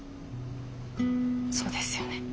そうですよね。